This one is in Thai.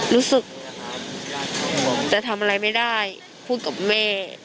รู้สึกจะทำอะไรไม่ได้พูดกับแม่